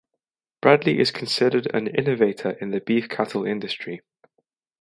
Bradley is considered an innovator in the beef cattle industry.